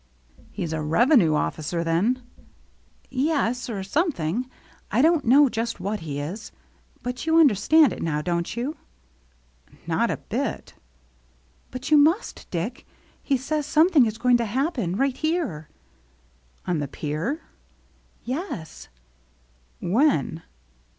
" He's a revenue officer, then ?"" Yes, or something. I don't know just what he is. But you understand it now, don't you? "" Not a bit." " But you must, Dick. He says something is going to happen, right here." 204 THE MERRT ANNE "On the pier?" "Yes." "When?"